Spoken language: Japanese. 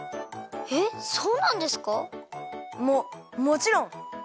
えっそうなんですか？ももちろん！